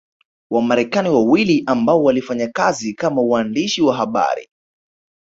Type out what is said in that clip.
Wamarekani wawili ambao walifanya kazi kama waandishi wa habari